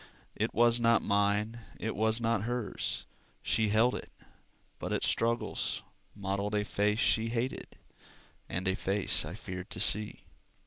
It was not mine, it was not hers; She held it, but its struggles Modeled a face she hated, And a face I feared to see.